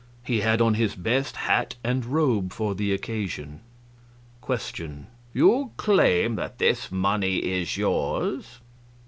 He had on his best hat and robe for the occasion. QUESTION. You claim that this money is yours?